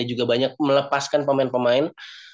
juga banyak melepaskan pemain pemain